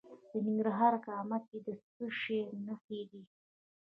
د ننګرهار په کامه کې د څه شي نښې دي؟